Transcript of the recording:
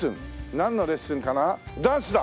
なんのレッスンかな？